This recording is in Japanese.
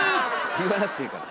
言わなくていいから。